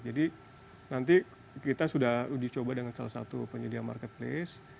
jadi nanti kita sudah dicoba dengan salah satu penyedia marketplace